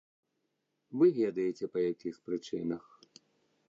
Вы ведаеце па якіх прычынах.